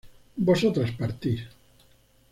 vosotras partís